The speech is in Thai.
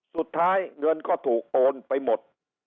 สุดท้ายเงินก็ถูกโอนไปหมด